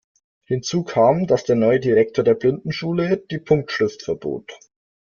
Hinzu kam, dass der neue Direktor der Blindenschule die Punktschrift verbot.